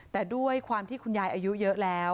แต่ด้วยความที่คุณยายอายุอีก